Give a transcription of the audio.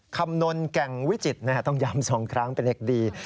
คำนลแก่งวิจิตต้องย้ำ๒ครั้งเป็นเด็กดี